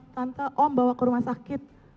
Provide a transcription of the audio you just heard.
tante om bawa ke rumah sakit